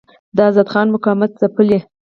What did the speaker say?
د آزاد خان مقاومت ځپلی.